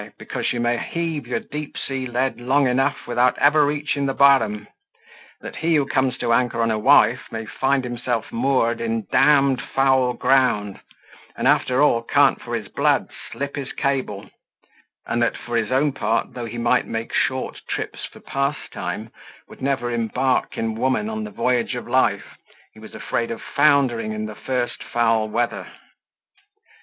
because you may heave your deep sea lead long enough without ever reaching the bottom; that he who comes to anchor on a wife may find himself moored in d d foul ground, and after all, can't for his blood slip his cable; and that, for his own part, though he might make short trips for pastime, he would never embark in woman on the voyage of life, he was afraid of foundering in the first foul weather.